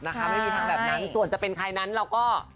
ไม่มีทางแบบนั้นส่วนจะเป็นใครนั้นเราก็